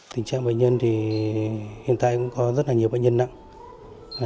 tình trạng bệnh nhân thì hiện tại cũng có rất là nhiều bệnh nhân nặng